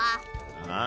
ああ？